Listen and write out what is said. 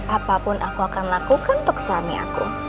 apapun aku akan lakukan untuk suami aku